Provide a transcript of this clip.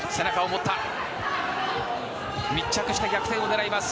密着して逆転を狙います